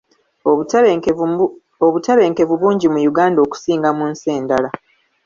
Obutebenkevu bungi mu Uganda okusinga mu nsi endala.